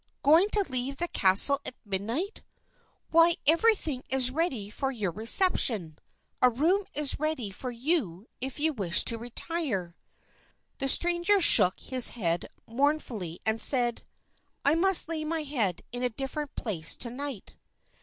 going to leave the castle at midnight? Why, everything is ready for your reception; a room is ready for you if you wish to retire." The stranger shook his head mournfully and said: "I must lay my head in a different place to night."